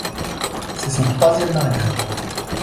C’est son troisième mariage.